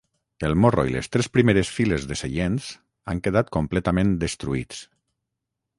El morro i les tres primeres files de seients, han quedat completament destruïts.